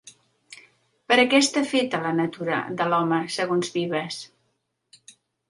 Per a què està feta la natura de l'home segons Vives?